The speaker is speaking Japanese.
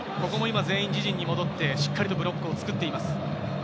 ここも全員自陣に戻って、しっかりブロックを作っています。